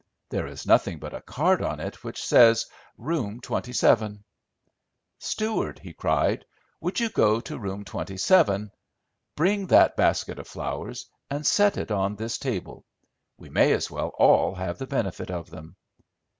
There is nothing but a card on it which says 'Room 27.' Steward," he cried, "would you go to room 27, bring that basket of flowers, and set it on this table. We may as well all have the benefit of them."